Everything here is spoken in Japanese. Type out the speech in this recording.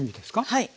はい。